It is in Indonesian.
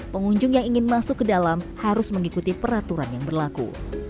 pengunjung yang ingin masuk ke dalam harus mengikuti peraturan yang berlaku